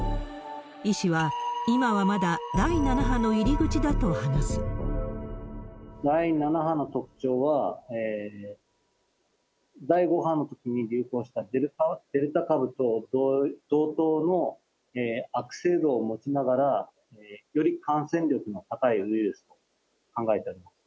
医師は、今はまだ第７波の入り第７波の特徴は、第５波のときに流行したデルタ株と同等の悪性度を持ちながら、より感染力が高いウイルスと考えております。